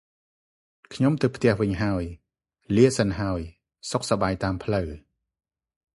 ខ្ញុំទៅផ្ទះវិញហើយ។ លាសិនហើយ។ សុខសប្បាយតាមផ្លូវ។